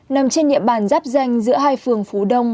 nằm trên nhiệm bản giáp danh giữa hai phường phú đông